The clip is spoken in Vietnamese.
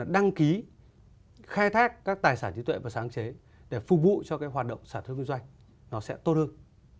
đăng ký khai thác các tài sản trí tuệ và sáng chế để phục vụ cho cái hoạt động sản xuất kinh doanh nó sẽ tốt hơn